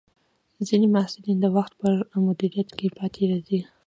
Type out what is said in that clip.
ځینې محصلین د وخت پر مدیریت کې پاتې راځي.